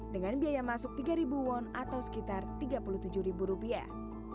dengan biaya masuk tiga won atau sekitar tiga puluh tujuh ribu rupiah